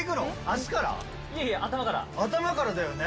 頭からだよね？